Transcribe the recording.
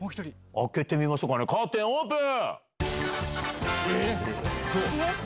開けてみましょうかねカーテンオープン！